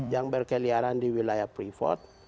yang berkeliaran di wilayah pripot